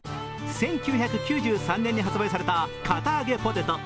１９９３年に発売された堅あげポテト。